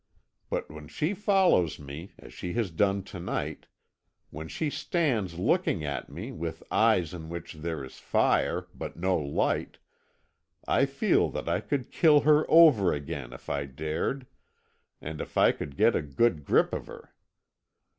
But when she follows me, as she has done to night, when she stands looking at me with eyes in which there is fire, but no light, I feel that I could kill her over again if I dared, and if I could get a good grip of her.